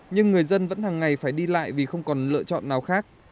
nhưng người dân vẫn hàng ngày phải đi lại vì không còn lựa chọn nào khác